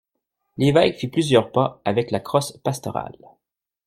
L'évêque fit plusieurs pas, avec la crosse pastorale.